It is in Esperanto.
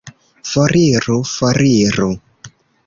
Foriru! Foriru!